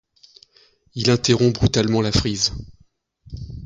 Il interrompt brutalement la frise.